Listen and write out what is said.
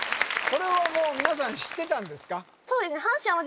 これはもう皆さん知ってたんですか？